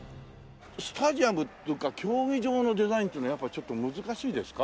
スタジアムというか競技場のデザインっていうのはやっぱちょっと難しいですか？